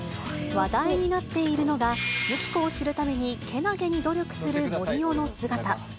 話題になっているのが、ユキコを知るためにけなげに努力する森生の姿。